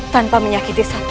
tanpa menyakiti satu